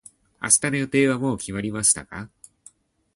明日の予定はもう決まりましたか。